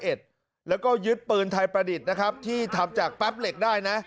แล้วก็ยึดปืนไทยประดิษฐ์นะครับที่ทำจากแป๊บเหล็กได้นะ